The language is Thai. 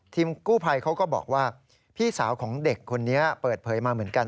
กู้ภัยเขาก็บอกว่าพี่สาวของเด็กคนนี้เปิดเผยมาเหมือนกัน